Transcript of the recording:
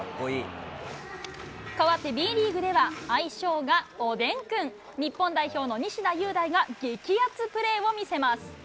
変わってＢリーグでは愛称がおでんくん、日本代表の西田優大が激アツプレーを見せます。